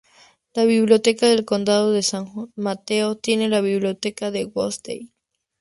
La Biblioteca del Condado de San Mateo tiene la Biblioteca de Woodside.